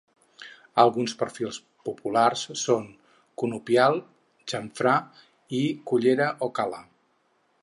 Alguns perfils populars son "conopial", "xamfrà" i "cullera" o "cala".